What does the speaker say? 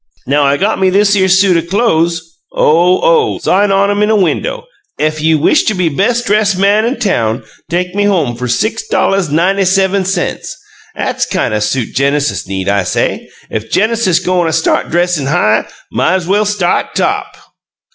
'Nen I got me thishere suit o' clo'es OH, oh! Sign on 'em in window: 'Ef you wish to be bes' dress' man in town take me home fer six dolluhs ninety sevum cents.' ''At's kine o' suit Genesis need,' I say. 'Ef Genesis go'n' a start dressin' high, might's well start top!'"